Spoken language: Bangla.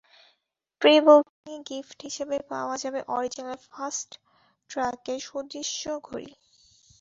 প্রি বুকিংয়ে গিফট হিসেবে পাওয়া যাবে অরিজিনাল ফাস্ট ট্র্যাকের সুদৃশ্য ঘড়ি।